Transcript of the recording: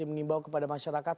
yang mengimbau kepada masyarakat